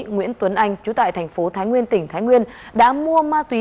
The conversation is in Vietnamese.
nguyễn tuấn anh chú tại thành phố thái nguyên tỉnh thái nguyên đã mua ma túy